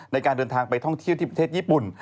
ในการเดินทางไปท่องเที่ยวที่ประเทศญี่ปุ่น